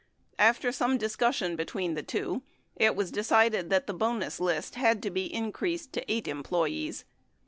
After some discussion between the two, it was decided that the bonus list had to be increased to eight employees.